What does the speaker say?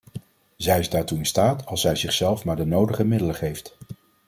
Zij is daartoe in staat als zij zichzelf maar de nodige middelen geeft.